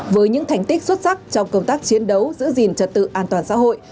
với những thành tích xuất sắc trong công tác chiến đấu giữ gìn trật tự an toàn xã hội